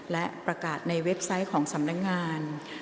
และประกาศในเว็บไซต์ของสำนักงาน